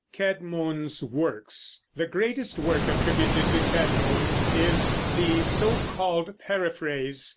CæDMON'S WORKS. The greatest work attributed to Cædmon is the so called Paraphrase.